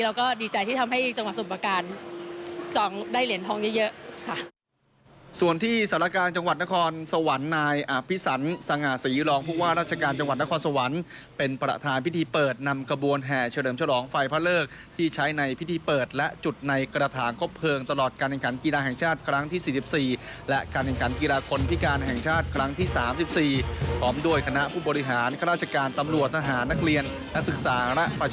เราก็ดีใจที่ทำให้จังหวัดสมปาการจองได้เหลี่ยนทองเยอะ